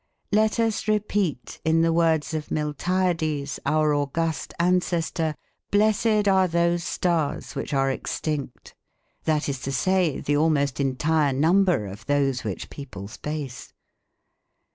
Let us repeat in the words of Miltiades our august ancestor, blessed are those stars which are extinct, that is to say, the almost entire number of those which people space.